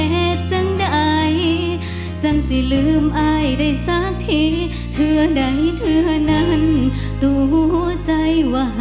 โปรดติดตามต่อไป